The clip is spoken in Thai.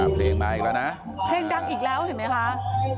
เพลงมาอีกแล้วนะเพลงดังอีกแล้วเห็นไหมคะ